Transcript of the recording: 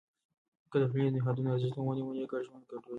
که د ټولنیزو نهادونو ارزښت ونه منې، ګډ ژوند ګډوډېږي.